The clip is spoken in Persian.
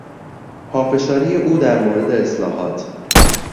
پافشاری او در مورد اصلاحات